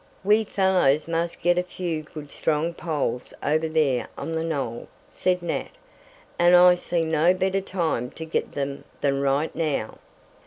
"We fellows must get a few good strong poles over there on the knoll," said Nat, "and I see no better time to get them than right now."